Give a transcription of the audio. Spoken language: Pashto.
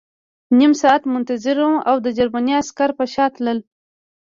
نیم ساعت منتظر وم او د جرمني عسکر په شا تلل